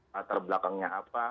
latar belakangnya apa